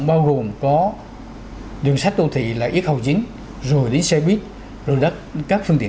bao gồm có đường sách đô thị là ít hầu chính rồi đến xe buýt rồi các phương tiện